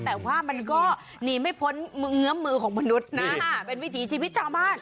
แต่ว่ามันก็หนีไม่พ้นเงื้อมือของมนุษย์นะเป็นวิถีชีวิตชาวบ้าน